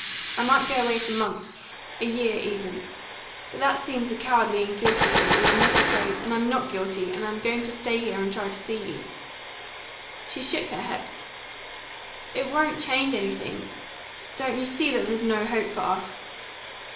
I might go away for months a year, even; but that seems a cowardly and guilty thing, and I'm not afraid, and I'm not guilty, and I'm going to stay here and try to see you." She shook her head. "It won't change anything? Don't you see that there's no hope for us?"